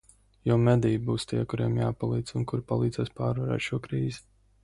Jo mediji būs tie, kuriem jāpalīdz un kuri palīdzēs pārvarēt šo krīzi.